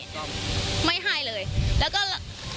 ดีกว่าจะได้ตัวคนร้าย